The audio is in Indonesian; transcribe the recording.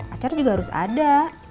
acar juga harus ada